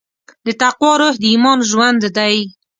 د تقوی روح د ایمان ژوند دی.